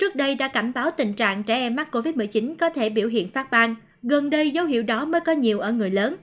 các bạn trẻ em mắc covid một mươi chín có thể biểu hiện phát bang gần đây dấu hiệu đó mới có nhiều ở người lớn